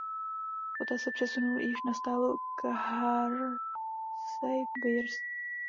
Poté se přesunul již na stálo k Hershey Bears.